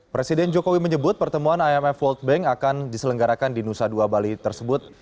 presiden jokowi menyebut pertemuan imf world bank akan diselenggarakan di nusa dua bali tersebut